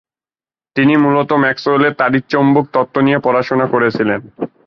তিনি মূলত ম্যাক্সওয়েলের তাড়িতচৌম্বক তত্ত্ব নিয়ে পড়াশোনা করেছিলেন।